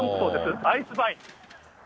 アイスバイン。